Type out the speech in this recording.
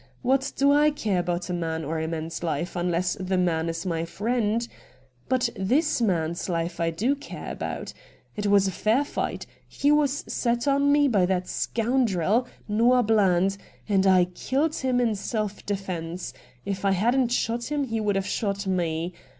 What do I care about a man or a man's life, unless the man is my friend ? But this man's life I do care about. It was a fair fight. He was set on to me by that scoundrel, Noah Bland, and I killed him in self defence — if I hadn't shot him he would have shot me.